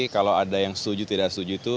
kalau ada yang setuju tidak setuju itu